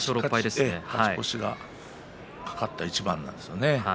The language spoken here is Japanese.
勝ち越しが懸かった一番なんですよね。